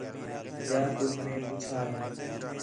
جا کُج مئے پُچّھا ہے